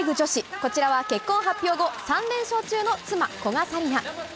こちらは結婚発表後、３連勝中の妻、古賀紗理那。